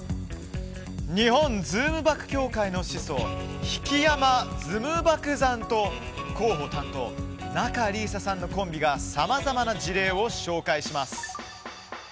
日本ズームバック協会の始祖、引山澄漠山と広報担当、仲里依紗さんのコンビがさまざまな事例を紹介します。